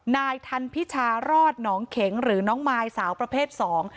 นายทันพิชารอดหนองเข็งหรือน้องมายสาวประเภทสอง